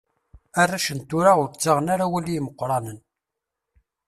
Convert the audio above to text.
Arrac n tura ur ttaɣen ara awal i yimeqqranen.